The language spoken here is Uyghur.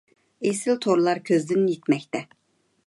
ئېسىل تورلار كۆزدىن يىتمەكتە.